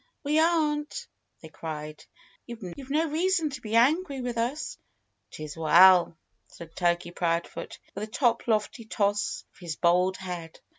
"We aren't!" they cried. "You've no reason to be angry with us." "'Tis well," said Turkey Proudfoot with a toplofty toss of his bald head.